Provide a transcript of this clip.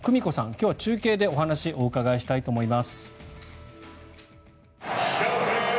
今日は中継でお話をお伺いしたいと思います。